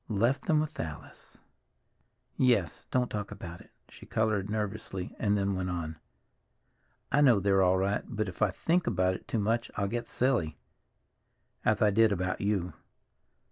"Left them with Alice!" "Yes, don't talk about it." She colored nervously and then went on. "I know they're all right, but if I think about it too much I'll get silly—as I did about you.